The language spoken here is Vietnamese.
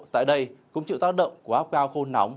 tại đây cũng chịu tác động của áp cao khô nóng